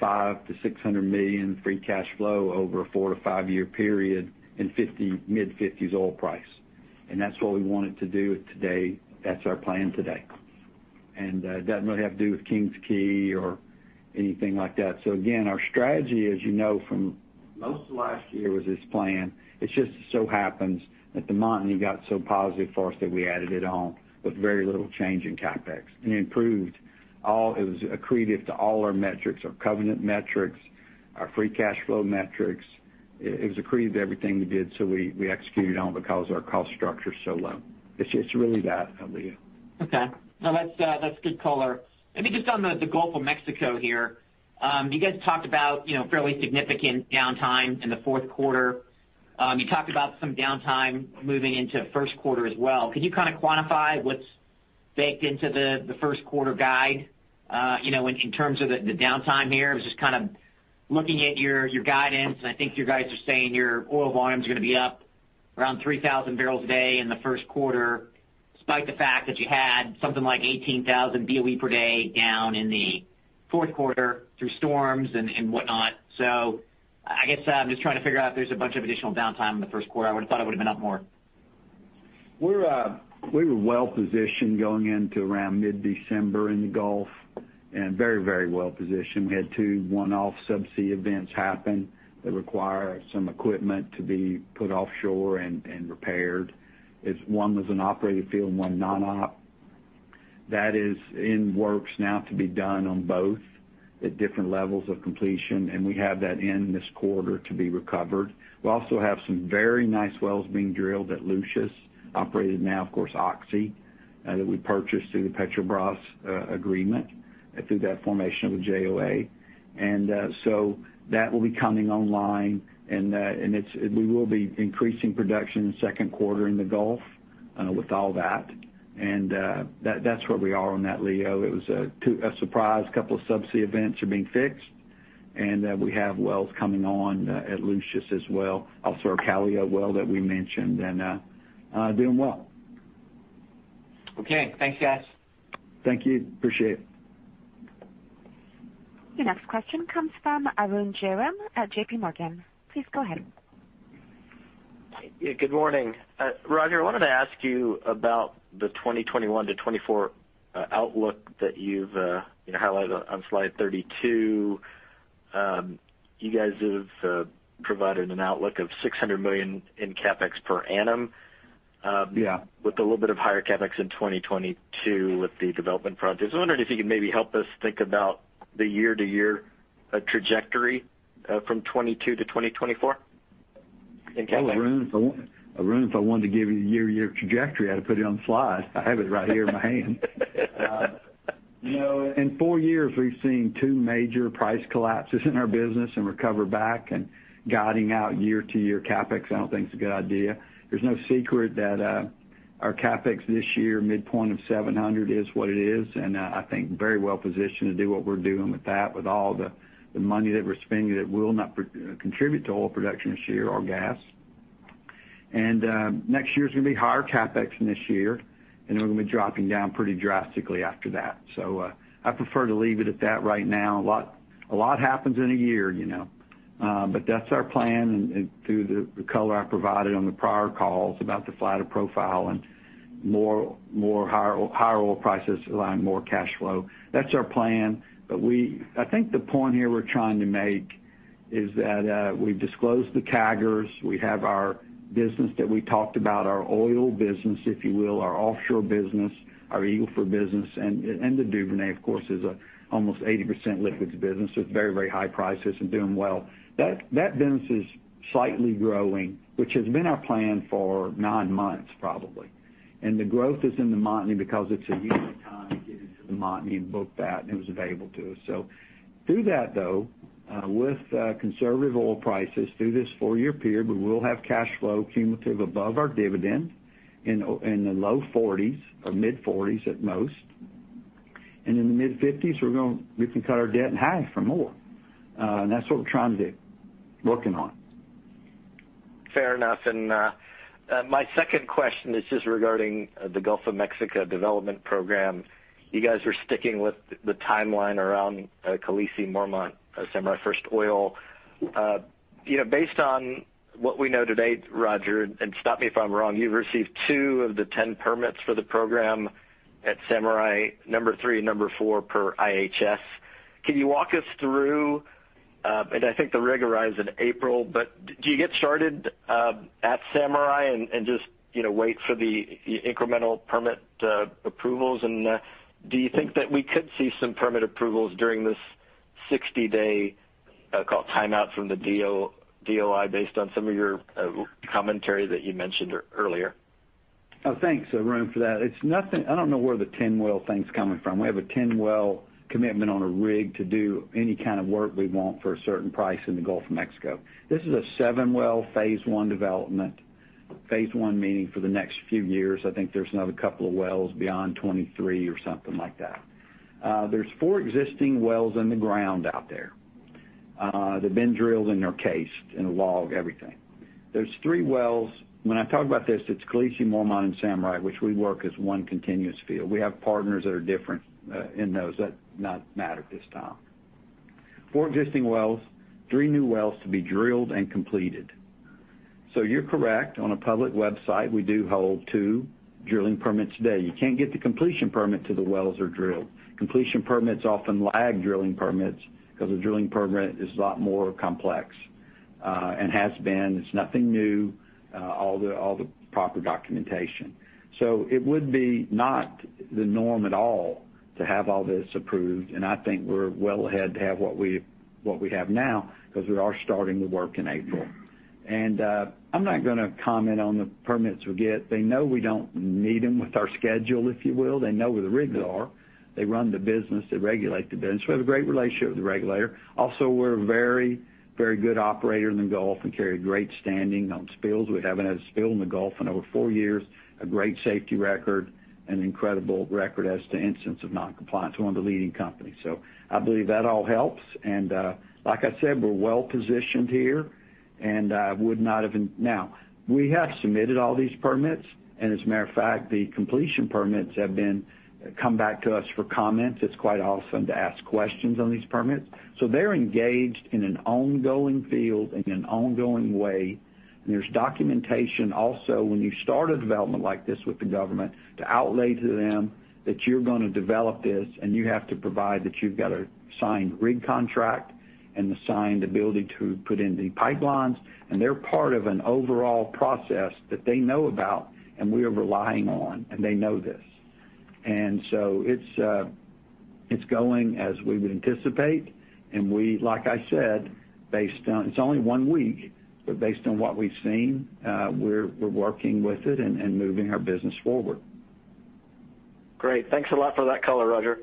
$500 to $600 million free cash flow over a four-to-five-year period in mid-50s oil price. That's what we wanted to do today. That's our plan today. It doesn't really have to do with King's Quay or anything like that. Again, our strategy, as you know from most of last year, was this plan. It just so happens that Montney got so positive for us that we added it on with very little change in CapEx, and it improved. It was accretive to all our metrics, our covenant metrics, our free cash flow metrics. It was accretive to everything we did, so we executed on it because our cost structure is so low. It's really that, Leo. Okay. No, that's good color. Maybe just on the Gulf of Mexico here. You guys talked about fairly significant downtime in the fourth quarter. You talked about some downtime moving into first quarter as well. Could you kind of quantify what's baked into the first quarter guide in terms of the downtime here? I was just kind of looking at your guidance, and I think you guys are saying your oil volume's going to be up around 3,000 barrels a day in the first quarter, despite the fact that you had something like 18,000 BOE per day down in the fourth quarter through storms and whatnot. I guess I'm just trying to figure out if there's a bunch of additional downtime in the first quarter. I would have thought it would have been up more. We were well-positioned going into around mid-December in the Gulf, and very well-positioned. We had two one-off subsea events happen that require some equipment to be put offshore and repaired. One was an operated field, one non-op. That is in works now to be done on both at different levels of completion, and we have that in this quarter to be recovered. We also have some very nice wells being drilled at Lucius, operated now, of course, Oxy, that we purchased through the Petrobras agreement through that formation of a JOA. That will be coming online, and we will be increasing production in the second quarter in the Gulf with all that. That's where we are on that, Leo. It was a surprise. A couple of subsea events are being fixed, and we have wells coming on at Lucius as well. Also, our Calliope well that we mentioned, and doing well. Okay. Thanks, guys. Thank you. Appreciate it. Your next question comes from Arun Jayaram at JPMorgan. Please go ahead. Yeah. Good morning. Roger, I wanted to ask you about the 2021-2024 outlook that you've highlighted on slide 32. You guys have provided an outlook of $600 million in CapEx per annum. Yeah. With a little bit of higher CapEx in 2022 with the development projects. I wondered if you could maybe help us think about the year-to-year trajectory from 2022 to 2024 in CapEx. Arun, if I wanted to give you a year-to-year trajectory, I'd put it on the slide. I have it right here in my hand. In four years, we've seen two major price collapses in our business and recover back. Guiding out year-to-year CapEx I don't think is a good idea. There's no secret that our CapEx this year, midpoint of $700, is what it is. I think very well-positioned to do what we're doing with that, with all the money that we're spending that will not contribute to oil production this year or gas. Next year's going to be higher CapEx than this year, and then we're going to be dropping down pretty drastically after that. I prefer to leave it at that right now. A lot happens in a year, but that's our plan. Through the color I provided on the prior calls about the flatter profile and more higher oil prices allowing more cash flow. That's our plan. I think the point here we're trying to make is that we've disclosed the CAGRs. We have our business that we talked about, our oil business, if you will, our offshore business, our Eagle Ford business, and the Duvernay, of course, is an almost 80% liquids business with very high prices and doing well. That business is slightly growing, which has been our plan for nine months, probably. The growth is in the Montney because it's a unique time to get into the Montney and book that, and it was available to us. Through that, though, with conservative oil prices through this four-year period, we will have cash flow cumulative above our dividend in the low 40s or mid-40s at most. In the mid-50s, we can cut our debt in half or more. That's what we're trying to do, working on. My second question is just regarding the Gulf of Mexico development program. You guys are sticking with the timeline around Khaleesi, Mormont, Samurai first oil. Based on what we know today, Roger, and stop me if I'm wrong, you've received two of the 10 permits for the program at Samurai, number three and number four, per IHS. Can you walk us through, and I think the rig arrives in April, but do you get started at Samurai and just wait for the incremental permit approvals? Do you think that we could see some permit approvals during this 60-day timeout from the DOI based on some of your commentary that you mentioned earlier? Thanks, Arun, for that. I don't know where the 10-well thing's coming from. We have a 10-well commitment on a rig to do any kind of work we want for a certain price in the Gulf of Mexico. This is a seven-well phase one development. Phase one meaning for the next few years. I think there's another couple of wells beyond 2023 or something like that. There's four existing wells in the ground out there. They've been drilled, and they're cased, and log everything. There's three wells. When I talk about this, it's Khaleesi, Mormont and Samurai, which we work as one continuous field. We have partners that are different in those. That does not matter at this time. Four existing wells, three new wells to be drilled and completed. You're correct. On a public website, we do hold two drilling permits today. You can't get the completion permit till the wells are drilled. Completion permits often lag drilling permits because a drilling program is a lot more complex and has been. It's nothing new. All the proper documentation. It would be not the norm at all to have all this approved, and I think we're well ahead to have what we have now because we are starting the work in April. I'm not going to comment on the permits we get. They know we don't need them with our schedule, if you will. They know where the rigs are. They run the business. They regulate the business. We have a great relationship with the regulator. Also, we're a very good operator in the Gulf and carry a great standing on spills. We haven't had a spill in the Gulf in over four years, a great safety record, an incredible record as to incidents of non-compliance. We're one of the leading companies. I believe that all helps. Like I said, we're well-positioned here. Now, we have submitted all these permits. As a matter of fact, the completion permits have come back to us for comments. It's quite often to ask questions on these permits. They're engaged in an ongoing field in an ongoing way. There's documentation also, when you start a development like this with the government, to outlay to them that you're going to develop this, and you have to provide that you've got a signed rig contract and the signed ability to put in the pipelines. They're part of an overall process that they know about and we are relying on, and they know this. It's going as we would anticipate, and like I said, it's only one week, but based on what we've seen, we're working with it and moving our business forward. Great. Thanks a lot for that color, Roger.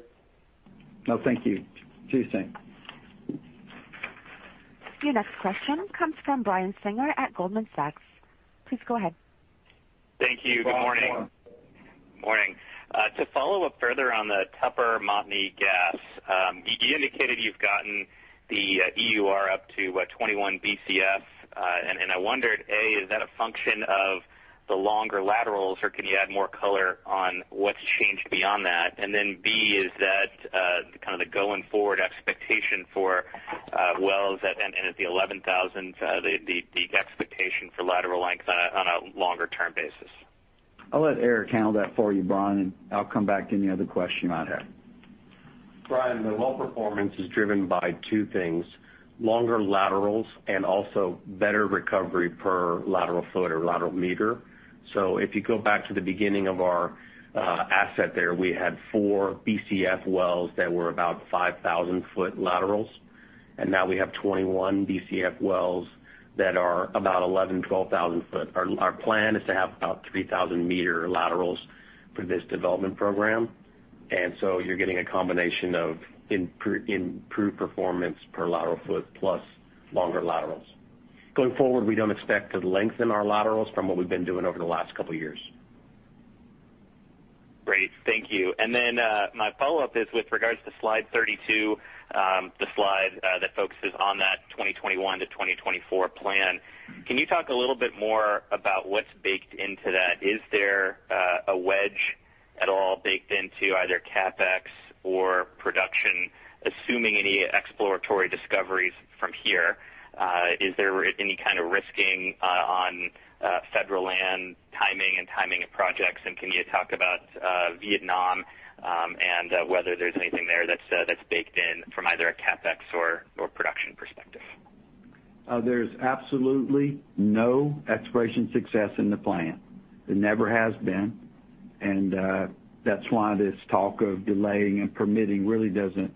No, thank you. See you soon. Your next question comes from Brian Singer at Goldman Sachs. Please go ahead. Thank you. Good morning. Good morning. Morning. To follow up further on the Tupper Montney gas, you indicated you've gotten the EUR up to what, 21 Bcf, and I wondered, A, is that a function of the longer laterals, or can you add more color on what's changed beyond that? B, is that kind of the going forward expectation for wells at and at the 11,000, the expectation for lateral lengths on a longer-term basis? I'll let Eric handle that for you, Brian, and I'll come back to any other question you might have. Brian, the well performance is driven by two things, longer laterals and also better recovery per lateral foot or lateral meter. If you go back to the beginning of our asset there, we had four Bcf wells that were about 5,000-foot laterals, and now we have 21 Bcf wells that are about 11,000, 12,000 foot. Our plan is to have about 3,000-meter laterals for this development program. You're getting a combination of improved performance per lateral foot plus longer laterals. Going forward, we don't expect to lengthen our laterals from what we've been doing over the last couple of years. Great. Thank you. Then, my follow-up is with regards to slide 32, the slide that focuses on that 2021 to 2024 plan. Can you talk a little bit more about what's baked into that? Is there a wedge at all baked into either CapEx or production, assuming any exploratory discoveries from here? Is there any kind of risking on federal land timing and timing of projects, can you talk about Vietnam, and whether there's anything there that's baked in from either a CapEx or production perspective? There's absolutely no exploration success in the plan. There never has been, and that's why this talk of delaying and permitting really doesn't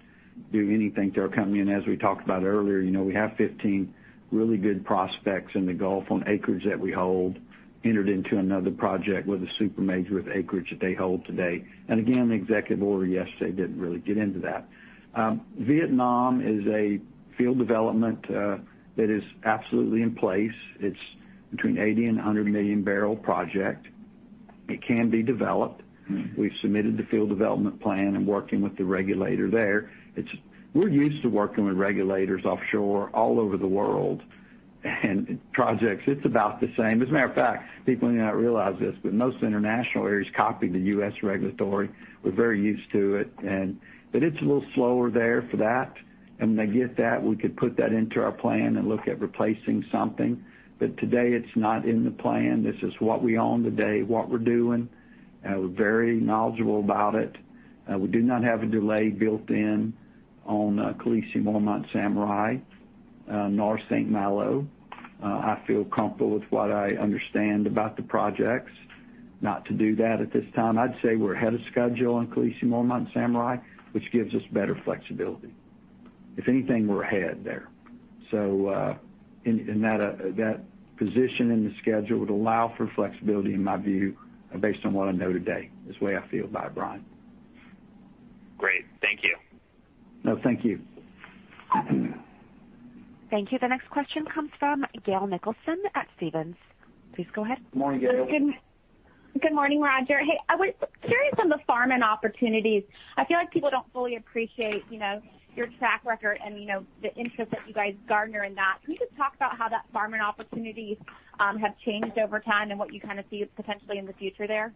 do anything to our company. As we talked about earlier, we have 15 really good prospects in the Gulf on acreage that we hold, entered into another project with a super major with acreage that they hold today. Again, the executive order yesterday didn't really get into that. Vietnam is a field development that is absolutely in place. It's between 80 and 100 million barrel project. It can be developed. We've submitted the field development plan and working with the regulator there. We're used to working with regulators offshore all over the world and projects. It's about the same. As a matter of fact, people may not realize this, but most international areas copy the U.S. regulatory. We're very used to it. It's a little slower there for that, and when they get that, we could put that into our plan and look at replacing something. Today, it's not in the plan. This is what we own today, what we're doing. We're very knowledgeable about it. We do not have a delay built in on Khaleesi, Mormont, Samurai, nor St. Malo. I feel comfortable with what I understand about the projects not to do that at this time. I'd say we're ahead of schedule on Khaleesi, Mormont, Samurai, which gives us better flexibility. If anything, we're ahead there. That position in the schedule would allow for flexibility in my view, based on what I know today, is the way I feel about it, Brian. Great. Thank you. No, thank you. Thank you. The next question comes from Gail Nicholson at Stephens. Please go ahead. Morning, Gail. Good morning, Roger. Hey, I was curious on the farming opportunities. I feel like people don't fully appreciate your track record and the interest that you guys garner in that. Can you just talk about how that farming opportunities have changed over time and what you kind of see potentially in the future there?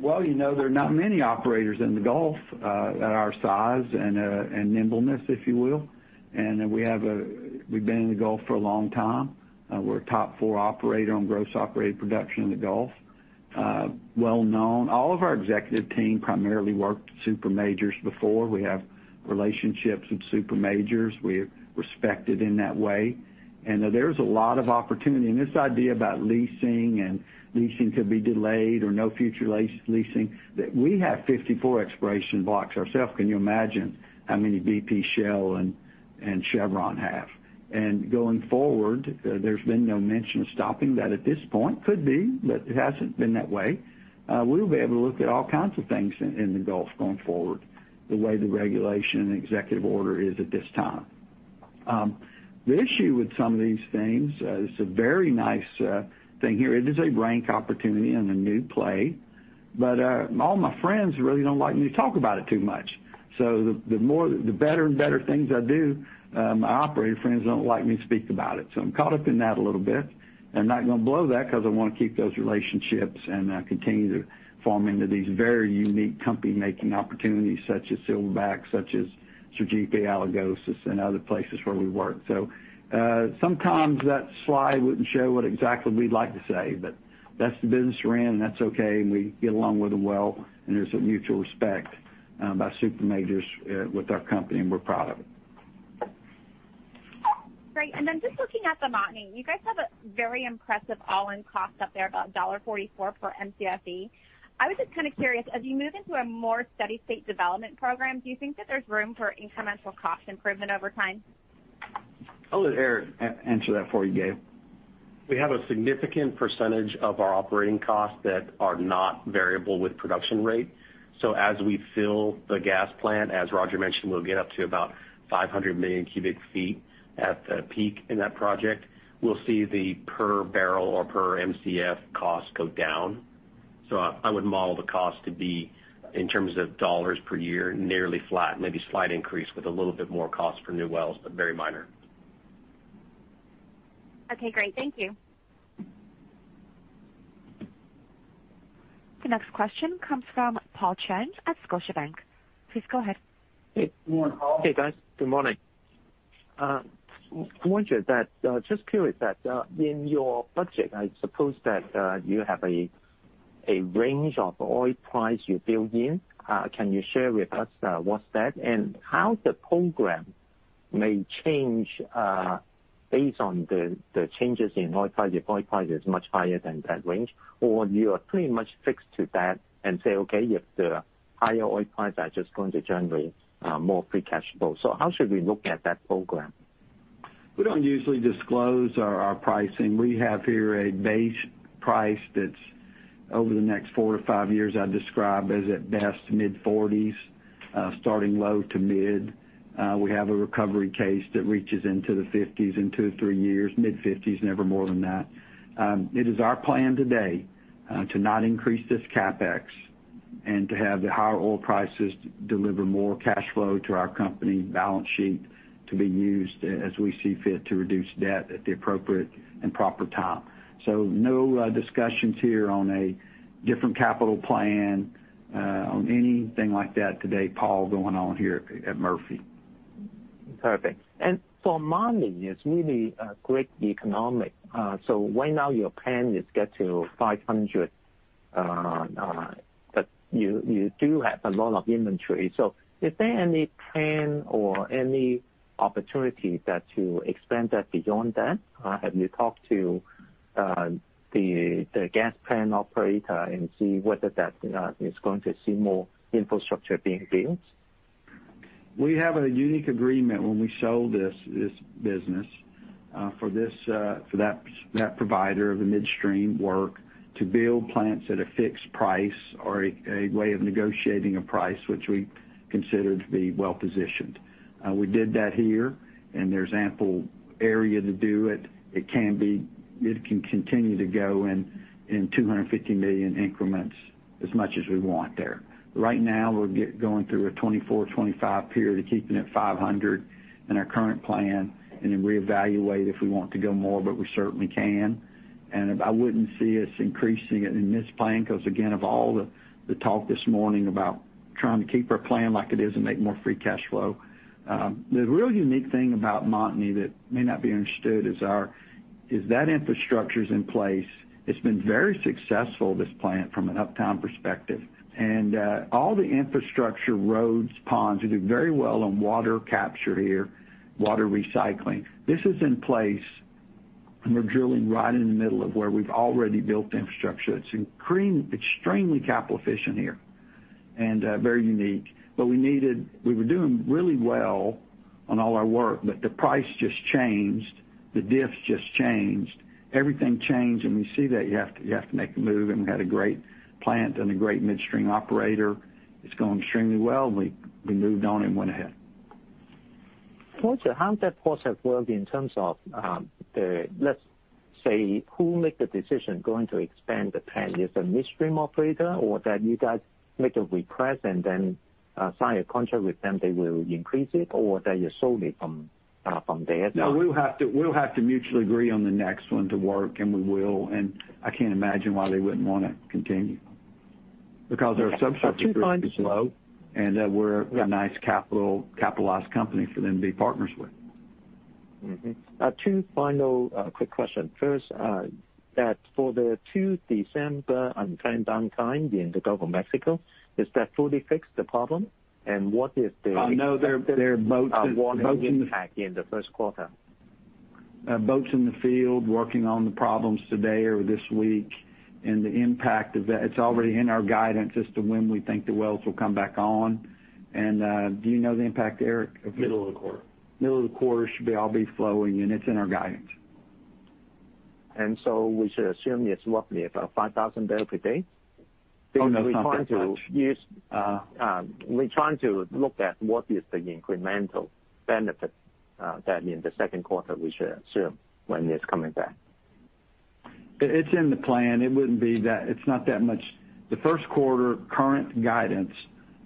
Well, there are not many operators in the Gulf at our size and nimbleness, if you will. We've been in the Gulf for a long time. We're a top four operator on gross operated production in the Gulf. Well-known. All of our executive team primarily worked super majors before. We have relationships with super majors. We're respected in that way. There's a lot of opportunity, and this idea about leasing and leasing could be delayed or no future leasing, that we have 54 exploration blocks ourselves. Can you imagine how many BP, Shell, and Chevron have? Going forward, there's been no mention of stopping that at this point. Could be, it hasn't been that way. We'll be able to look at all kinds of things in the Gulf going forward, the way the regulation and executive order is at this time. The issue with some of these things, it's a very nice thing here. It is a rank opportunity and a new play. All my friends really don't like me to talk about it too much. The better and better things I do, my operator friends don't like me to speak about it. I'm caught up in that a little bit, and I'm not going to blow that because I want to keep those relationships and continue to farm into these very unique company-making opportunities such as Silverback, such as Sergipe-Alagoas, and other places where we work. Sometimes that slide wouldn't show what exactly we'd like to say, but that's the business we're in, and that's okay, and we get along with them well, and there's a mutual respect by super majors with our company, and we're proud of it. Great. Just looking at the Montney, you guys have a very impressive all-in cost up there, about $1.44 per Mcfe. I was just kind of curious, as you move into a more steady-state development program, do you think that there's room for incremental cost improvement over time? I'll let Eric answer that for you, Gail. We have a significant percentage of our operating costs that are not variable with production rate. As we fill the gas plant, as Roger mentioned, we'll get up to about 500 million cubic feet at the peak in that project. We'll see the per barrel or per Mcf cost go down. I would model the cost to be, in terms of dollars per year, nearly flat, maybe slight increase with a little bit more cost for new wells, but very minor. Okay, great. Thank you. The next question comes from Paul Cheng at Scotiabank. Please go ahead. Hey. Good morning, Paul. Hey, guys. Good morning. Roger, just curious that in your budget, I suppose that you have a range of oil price you build in. Can you share with us what's that, and how the program may change based on the changes in oil price, if oil price is much higher than that range? You are pretty much fixed to that and say, "Okay, if the higher oil price are just going to generate more free cash flow." How should we look at that program? We don't usually disclose our pricing. We have here a base price that's over the next 4-5 years, I'd describe as at best mid-40s, starting low to mid. We have a recovery case that reaches into the 50s in 2-3 years, mid-50s, never more than that. It is our plan today, to not increase this CapEx and to have the higher oil prices deliver more cash flow to our company balance sheet to be used as we see fit to reduce debt at the appropriate and proper time. No discussions here on a different capital plan, on anything like that today, Paul, going on here at Murphy. Perfect. For montney, it's really a great economic. Right now your plan is get to 500, but you do have a lot of inventory. Is there any plan or any opportunity that you expand that beyond that? Have you talked to the gas plant operator and see whether that is going to see more infrastructure being built? We have a unique agreement when we sold this business, for that provider of the midstream work to build plants at a fixed price or a way of negotiating a price, which we considered to be well-positioned. We did that here, and there's ample area to do it. It can continue to go in 250 million increments, as much as we want there. Right now, we're going through a 2024, 2025 period of keeping it 500 in our current plan and then reevaluate if we want to go more, but we certainly can. I wouldn't see us increasing it in this plan, because again, of all the talk this morning about trying to keep our plan like it is and make more free cash flow. The real unique thing about Montney that may not be understood is that infrastructure's in place. It's been very successful, this plant, from an uptime perspective. All the infrastructure, roads, ponds. We do very well on water capture here, water recycling. This is in place, and we're drilling right in the middle of where we've already built the infrastructure. It's extremely capital efficient here and very unique. We were doing really well on all our work, but the price just changed. The diffs just changed. Everything changed, and we see that you have to make a move, and we had a great plant and a great midstream operator. It's going extremely well. We moved on and went ahead. Roger, how has that process worked in terms of, let's say, who make the decision going to expand the plan, is it the midstream operator or that you guys make a request and then sign a contract with them, they will increase it, or that you sold it from their side? No. We'll have to mutually agree on the next one to work, and we will, and I can't imagine why they wouldn't want to continue. Our sub structure is low, and we're a nice capitalized company for them to be partners with. Two final quick question. First, that for the two December unplanned downtime in the Gulf of Mexico, is that fully fixed, the problem? No. Impact in the first quarter? Boats in the field working on the problems today or this week, and the impact of that, it's already in our guidance as to when we think the wells will come back on. Do you know the impact, Eric? Middle of the quarter. Middle of the quarter should all be flowing, and it's in our guidance. We should assume it's roughly about 5,000 barrel per day? Oh, no. It's not that much. We're trying to look at what is the incremental benefit that in the second quarter we should assume when it's coming back. It's in the plan. It's not that much. The first quarter current guidance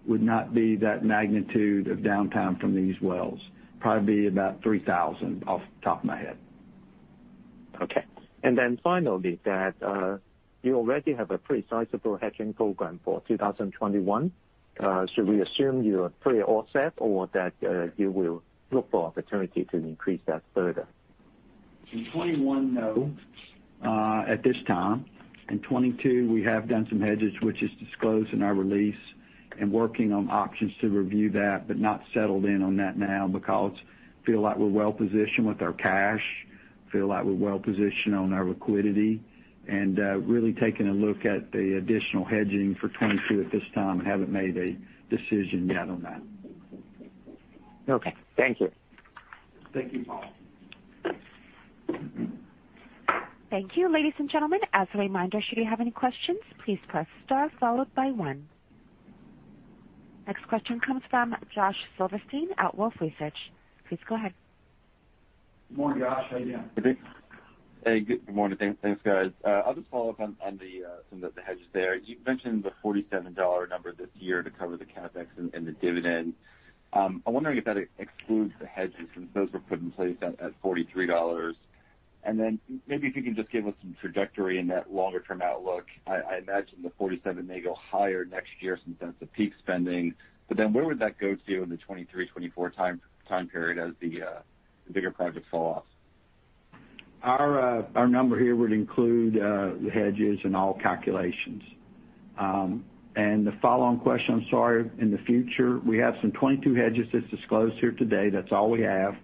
would not be that magnitude of downtime from these wells. Probably be about 3,000 off the top of my head. Okay. Finally, that you already have a pretty sizable hedging program for 2021. Should we assume you are pretty offset or that you will look for opportunity to increase that further? In 2021, no, at this time. In 2022, we have done some hedges, which is disclosed in our release, and working on options to review that, but not settled in on that now because feel like we're well-positioned with our cash, feel like we're well-positioned on our liquidity. Really taking a look at the additional hedging for 2022 at this time, and haven't made a decision yet on that. Okay. Thank you. Thank you, Paul. Thank you. Ladies and gentlemen, as a reminder, should you have any questions, please press star followed by one. Next question comes from Josh Silverstein at Wolfe Research. Please go ahead. Good morning, Josh. How you doing? Hey, good morning. Thanks, guys. I'll just follow up on some of the hedges there. You mentioned the $47 number this year to cover the CapEx and the dividend. I'm wondering if that excludes the hedges, since those were put in place at $43. Maybe if you can just give us some trajectory in that longer-term outlook. I imagine the $47 may go higher next year since that's the peak spending. Where would that go to in the 2023, 2024 time period as the bigger projects fall off? Our number here would include the hedges in all calculations. The follow-on question, I'm sorry. In the future, we have some 2022 hedges that's disclosed here today. That's all we have.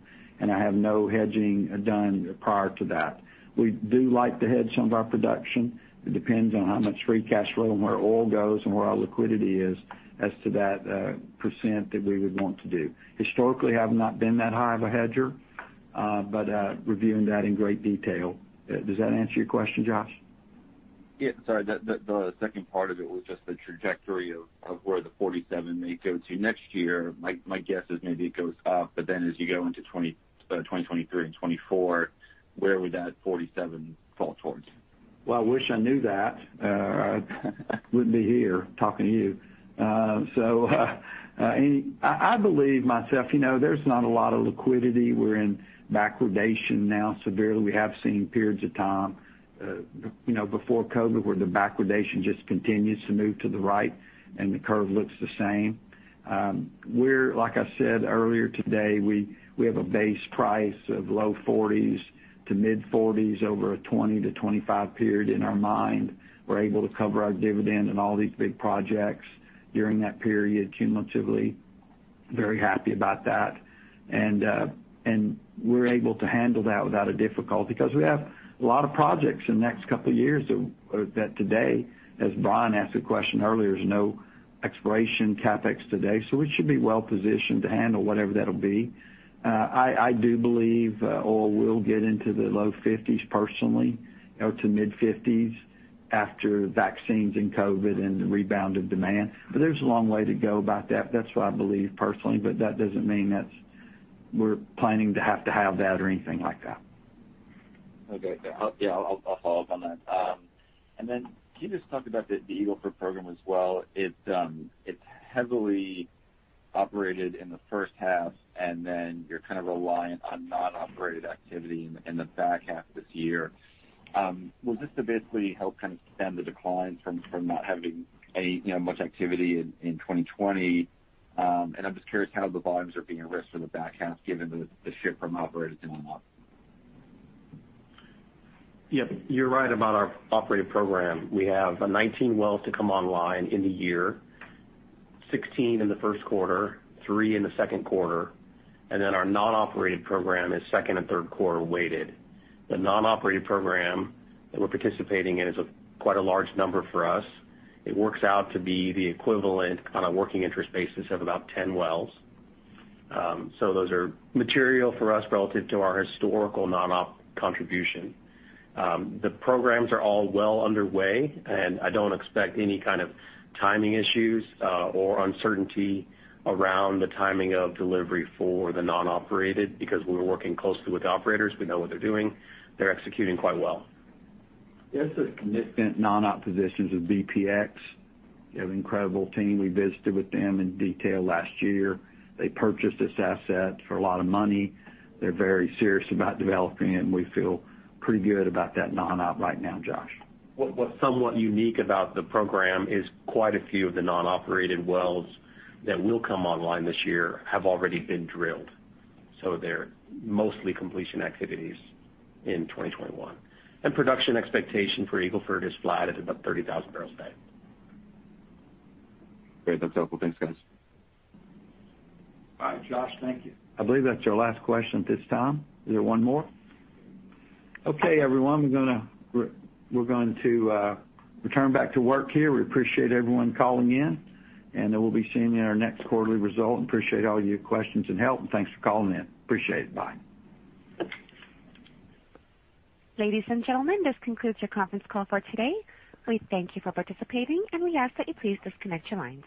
I have no hedging done prior to that. We do like to hedge some of our production. It depends on how much free cash flow, and where oil goes, and where our liquidity is as to that percent that we would want to do. Historically, have not been that high of a hedger. Reviewing that in great detail. Does that answer your question, Josh? Yeah. Sorry. The second part of it was just the trajectory of where the $47 may go to next year. My guess is maybe it goes up, as you go into 2023 and 2024, where would that $47 fall towards? Well, I wish I knew that. I wouldn't be here talking to you. I believe myself, there's not a lot of liquidity. We're in backwardation now severely. We have seen periods of time before COVID-19 where the backwardation just continues to move to the right, and the curve looks the same. Like I said earlier today, we have a base price of low 40s to mid 40s over a 2020 to 2025 period. In our mind, we're able to cover our dividend and all these big projects during that period cumulatively. Very happy about that. We're able to handle that without a difficulty because we have a lot of projects in the next couple of years that today, as Brian asked a question earlier, there's no exploration CapEx today. We should be well-positioned to handle whatever that'll be. I do believe oil will get into the low 50s personally, to mid 50s after vaccines and COVID and the rebound of demand. There's a long way to go about that. That's what I believe personally, but that doesn't mean that we're planning to have that or anything like that. Okay. Yeah. I'll follow up on that. Can you just talk about the Eagle Ford program as well? It's heavily operated in the first half, and then you're kind of reliant on non-operated activity in the back half of this year. Will this basically help kind of stem the decline from not having much activity in 2020? I'm just curious how the volumes are being risked for the back half, given the shift from operated to non-op. Yep. You're right about our operated program. We have 19 wells to come online in the year, 16 in the first quarter, three in the second quarter, and then our non-operated program is second and third quarter weighted. The non-operated program that we're participating in is quite a large number for us. It works out to be the equivalent on a working interest basis of about 10 wells. Those are material for us relative to our historical non-op contribution. The programs are all well underway, and I don't expect any kind of timing issues or uncertainty around the timing of delivery for the non-operated because we're working closely with the operators. We know what they're doing. They're executing quite well. This is significant non-op positions with BPX. They have an incredible team. We visited with them in detail last year. They purchased this asset for a lot of money. They're very serious about developing it, and we feel pretty good about that non-op right now, Josh. What's somewhat unique about the program is quite a few of the non-operated wells that will come online this year have already been drilled. They're mostly completion activities in 2021. Production expectation for Eagle Ford is flat at about 30,000 barrels a day. Great. That's helpful. Thanks, guys. Bye, Josh. Thank you. I believe that's our last question at this time. Is there one more? Okay, everyone. We're going to return back to work here. We appreciate everyone calling in, and we'll be seeing you in our next quarterly result. Appreciate all your questions and help, and thanks for calling in. Appreciate it. Bye. Ladies and gentlemen, this concludes your conference call for today. We thank you for participating, and we ask that you please disconnect your lines.